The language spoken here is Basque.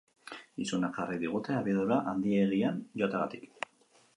Izuna jarri digute abiadura handiegian joateagatik.